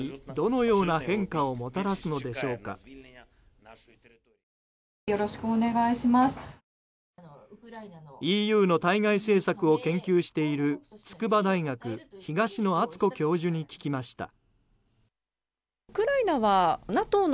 ＥＵの対外政策を研究している筑波大学、東野篤子教授に聞きました。